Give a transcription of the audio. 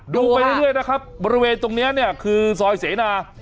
ดูไปเรื่อยนะครับบริเวณตรงนี้เนี่ยคือซอยเสนา